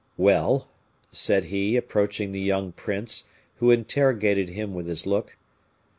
"Well," said he, approaching the young prince, who interrogated him with his look.